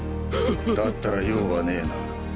だったら用はねぇな。